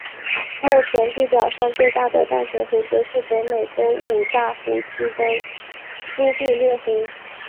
目前地表上最大的淡水湖则是北美洲五大湖区的苏必略湖。